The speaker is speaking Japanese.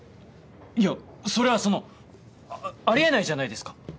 いやそれはそのあありえないじゃないですか。